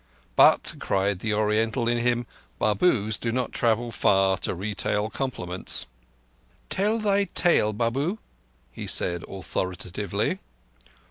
But, cried the Oriental in him, Babus do not travel far to retail compliments. "Tell thy tale, Babu," he said authoritatively.